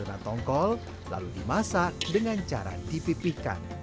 masak ikan tongkol lalu dimasak dengan cara dipipihkan